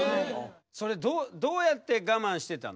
それどうやって我慢してたの？